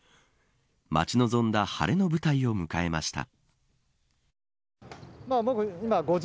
待ち望んだ晴れの舞台を迎えました。